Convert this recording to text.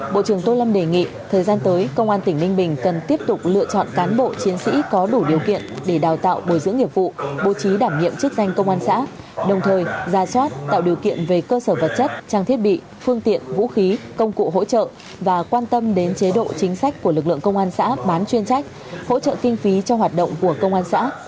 bộ trưởng bộ công an tô lâm đề nghị thời gian tới công an tỉnh ninh bình cần tiếp tục lựa chọn cán bộ chiến sĩ có đủ điều kiện để đào tạo bồi dưỡng nghiệp vụ bố trí đảm nghiệm chức danh công an xã đồng thời ra soát tạo điều kiện về cơ sở vật chất trang thiết bị phương tiện vũ khí công cụ hỗ trợ và quan tâm đến chế độ chính sách của lực lượng công an xã bán chuyên trách hỗ trợ kinh phí cho hoạt động của công an xã